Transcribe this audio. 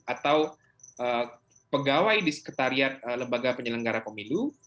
atau pegawai di sekretariat lembaga penyelenggara pemilu